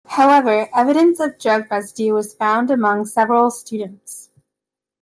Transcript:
However, evidence of drug residue was found among several students.